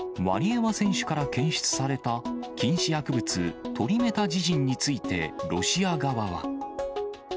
ワリエワ選手から検出された禁止薬物、トリメタジジンについて、ロシア側は。